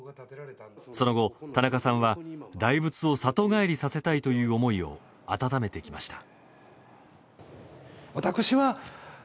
その後、田中さんは大仏を里帰りさせたいという思いを温めてきました。